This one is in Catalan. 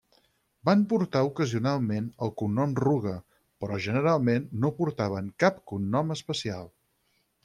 Van portar ocasionalment el cognom Ruga, però generalment no portaven cap cognom especial.